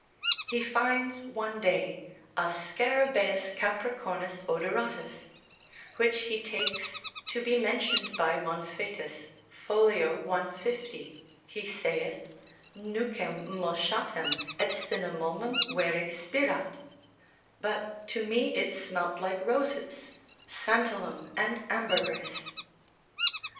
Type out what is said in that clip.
He finds one day "a Scarabaus capricornus odoratus," which he takes "to be mentioned by Monfetus, folio 150. He saith, 'Nucem moschatam et cinnamomum vere spirat' but to me it smelt like roses, santalum, and ambergris."